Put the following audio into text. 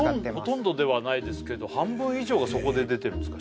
ほとんどではないですけど半分以上がそこで出てるんですか